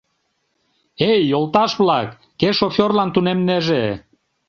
— Эй, йолташ-влак, кӧ шоферлан тунемнеже?